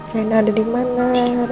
reina ada dimana